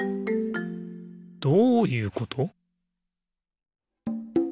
どういうこと？